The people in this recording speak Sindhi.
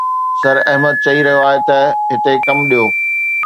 سر احمد چئي رهيو آهي ته هتي ڪم ڏيو